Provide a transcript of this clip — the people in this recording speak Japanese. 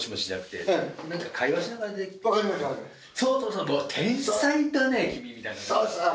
「そう天才だね君」みたいな。